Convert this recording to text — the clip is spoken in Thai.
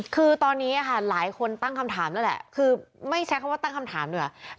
คือตอนนี้หลายคนตั้งคำถามแล้วแหละคือไม่ใช้คำว่าตั้งคำถามดีกว่า